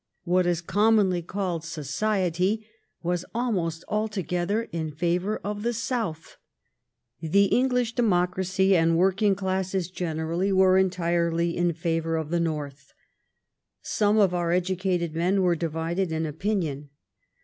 What is commonly called " society " was almost altogether in favor of the South. The English democracy and working classes generally were entirely in favor of the North. Some of our educated men were divided in opinion.